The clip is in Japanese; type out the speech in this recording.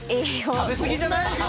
食べ過ぎじゃない？